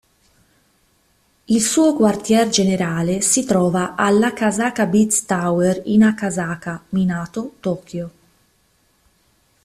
Il suo quartier generale si trova all'Akasaka Biz Tower in Akasaka, Minato, Tokyo.